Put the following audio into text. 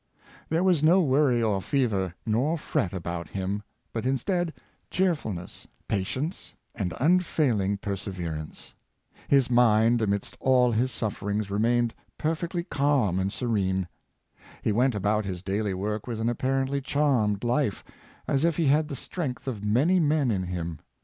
There was no worry or fever nor fret about him; but instead, cheerfulness, patience, and unfailing perse verance. His mind, amidst all his sufferings, remained perfectly calm and serene. He went about his daily work with an apparently charmed life, as if he had the strength of many men in him.